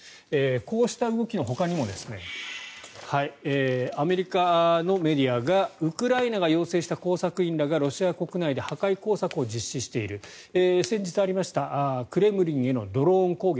こうした動きのほかにもアメリカのメディアがウクライナが養成した工作員らがロシア国内で破壊工作を実施している先日ありましたクレムリンへのドローン攻撃